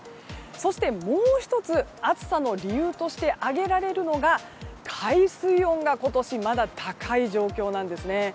そしてもう１つ暑さの理由として挙げられるのが海水温が今年まだ高い状況なんです。